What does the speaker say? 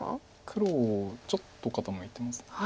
黒ちょっと傾いてます。